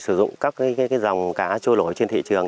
sử dụng các cái dòng cá trôi lổi trên thị trường